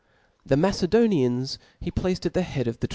the Macedonians (') he placed at the head of the (|) See Ar.